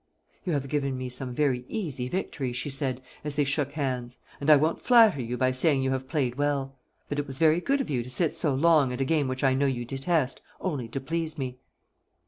"You have given me some very easy victories," she said, as they shook hands, "and I won't flatter you by saying you have played well. But it was very good of you to sit so long at a game which I know you detest, only to please me."